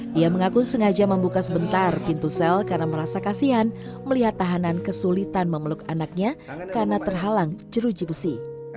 dia mengaku sengaja membuka sebentar pintu sel karena merasa kasihan melihat tahanan kesulitan memeluk anaknya karena terhalang jeruji besi